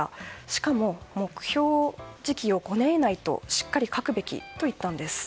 しかも目標時期を５年以内としっかり書くべきと言ったんです。